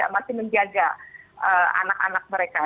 masih menjaga anak anak mereka